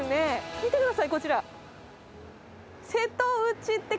見てください、こちら。